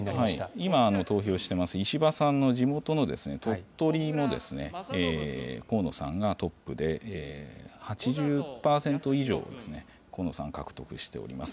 今、投票してます石破さんの地元の鳥取も、河野さんがトップで、８１％以上を河野さん、獲得しております。